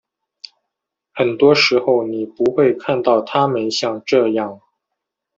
很多时候你不会看到他们像这样。